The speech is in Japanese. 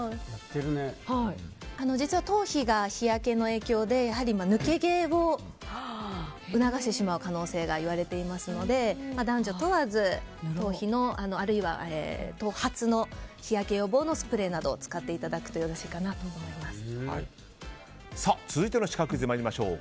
実は頭皮が日焼けの影響で抜け毛を促してしまう可能性が言われていますので男女問わず頭皮のあるいは頭髪の日焼け予防のスプレーなどを使っていただくと続いてのシカクイズ参りましょう。